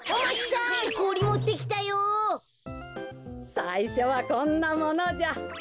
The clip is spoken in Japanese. さいしょはこんなものじゃ。